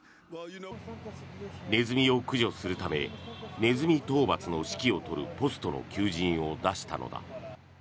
ネズミを駆除するためネズミ討伐の指揮を執るポストの求人を出したのだ。